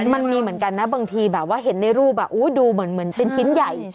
มันมีเหมือนกันนะบางทีแบบว่าเห็นในรูปดูเหมือนเป็นชิ้นใหญ่